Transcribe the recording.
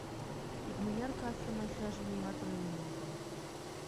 Икмыняр касым ачаже нимат ойлен огыл.